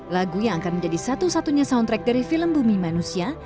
lagu yang akan menjadi satu satunya soundtrack dari film bumi manusia